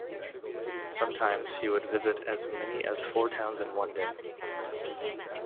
Sometimes he would visit as many as four towns in one day.